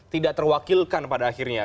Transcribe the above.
tidak terwakilkan pada akhirnya